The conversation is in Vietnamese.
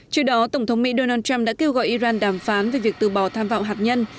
trước đó tổng thống mỹ donald trump đã kêu gọi iran đàm phán về việc từ bỏ tham vọng hạt nhân